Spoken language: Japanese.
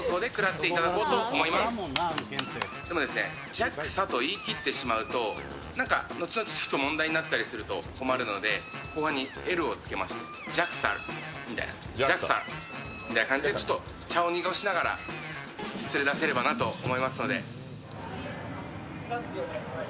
ＪＡＸＡと言い切ってしまうと、後々、ちょっと問題になったりすると困るので、ここに「Ｌ」をつけましてＪＡＸＡＬみたいな形で茶を濁しながら連れ出せればなと思いますので。